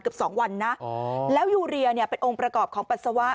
เกือบสองวันนะแล้วยูเรียเนี่ยเป็นองค์ประกอบของปัสสาวะ